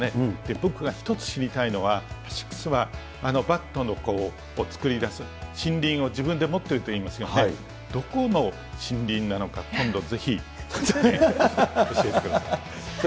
僕が一つ知りたいのは、アシックスはバットを作り出す森林を作っているといいますけれども、どこの森林なのか、今度ぜひ、教えてください。